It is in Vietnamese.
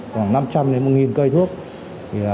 khoảng năm trăm linh một cây thuốc